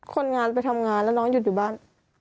คนงานไปทำงานแล้วน้องหยุดอยู่บ้าน